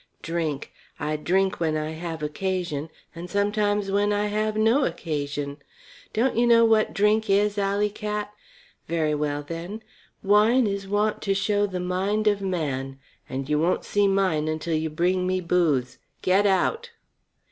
Drink I drink when I have occasion, and sometimes when I have no occasion Don't you know what drink is, alley cat? Very well, then, wine is wont to show the mind of man, and you won't see mine until you bring me booze. Get out!"